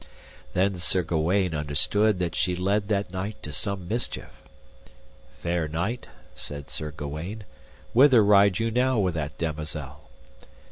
Then Sir Gawaine understood that she led that knight to some mischief. Fair knight, said Sir Gawaine, whither ride you now with that damosel?